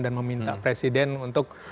dan meminta presiden untuk